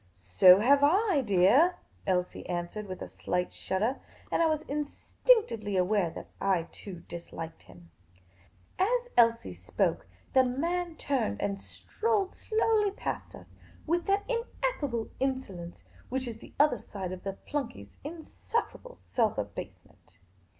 " So have I, dear," Elsie answered, with a slight shudder. And I was instinctively aware that I too disliked him. As Elsie spoke, the man turned, and strolled slowly past us, with that ineffable insolence which is the other side of the flunkey's insufferable self abasement.